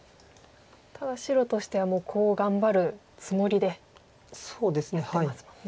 ただ白としてはもうコウを頑張るつもりでやってますもんね。